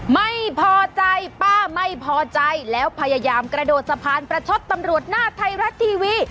ไม่พอใจป้าไม่พอใจแล้วพยายามกระโดดสะพานประชดตำรวจหน้าไทยรัฐทีวี